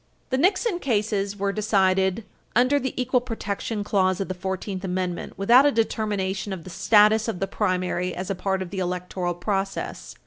The Nixon cases were decided under the equal protection clause of the Fourteenth Amendment without a determination of the status of the primary as a part of the electoral process.